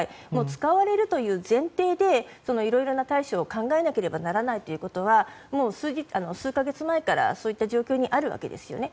使われるという前提でいろいろな対処を考えなければならないということはもう数か月前からそんな状況にあるわけですね。